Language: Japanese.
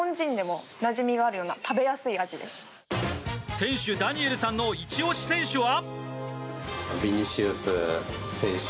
店主、ダニエルさんのイチ押し選手は。